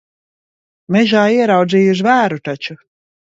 Mežā ieraudzīju zvēru taču.